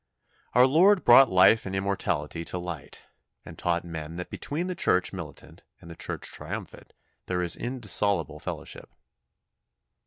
Our Lord brought life and immortality to light, and taught men that between the Church militant and the Church triumphant there is indissoluble fellowship.